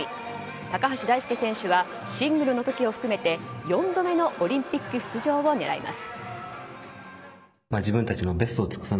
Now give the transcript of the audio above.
高橋大輔選手はシングルの時を含めて４度目のオリンピック出場を狙います。